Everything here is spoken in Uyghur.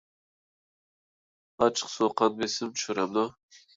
ئاچچىق سۇ قان بېسىمنى چۈشۈرەمدۇ؟